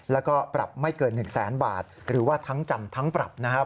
แล้วก็ปรับไม่เกิน๑แสนบาทหรือว่าทั้งจำทั้งปรับนะครับ